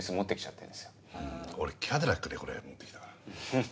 うん俺キャデラックでこれ持って来たから。フフ。